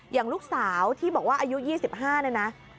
อย่างลูกสาวที่บอกว่าอายุ๒๕เนี่ยนะ